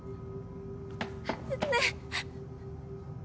ねえ。